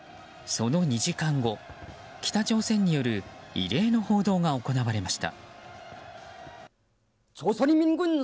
その２時間後北朝鮮による異例の報道が行われました。